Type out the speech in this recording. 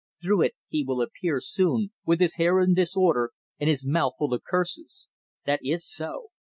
Through it he will appear soon, with his hair in disorder and his mouth full of curses. That is so.